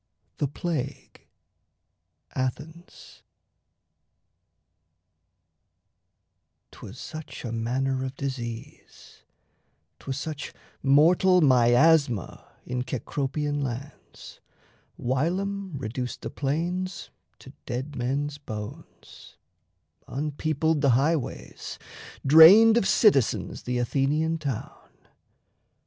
THE PLAGUE ATHENS 'Twas such a manner of disease, 'twas such Mortal miasma in Cecropian lands Whilom reduced the plains to dead men's bones, Unpeopled the highways, drained of citizens The Athenian town.